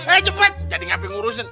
eh cepet jadi ngapain ngurusin